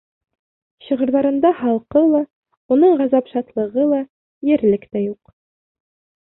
Шиғырҙарында халҡы ла, уның ғазап-шатлығы ла, ерлек тә юҡ.